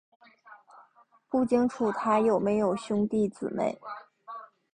不清楚他有没有兄弟姊妹。